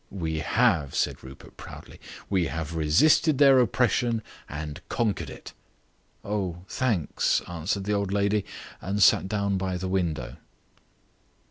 "We have," said Rupert proudly; "we have resisted their oppression and conquered it." "Oh, thanks," answered the old lady, and sat down by the window.